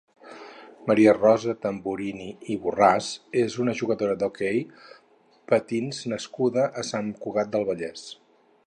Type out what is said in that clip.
Maria Rosa Tamburini i Borràs és una jugadora d'hoquei patins nascuda a Sant Cugat del Vallès.